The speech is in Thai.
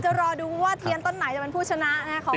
เดี๋ยวจะรอดูว่าเทียนต้นน่ะจะเป็นผู้ชนะของปีนี้